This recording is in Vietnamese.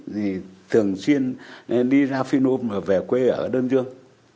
thì thường xuyên đi ra phiên ùm và về quê ở đơn dương